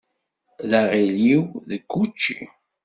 D aɣiliw deg učči.